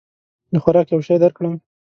د خوراک یو شی درکړم؟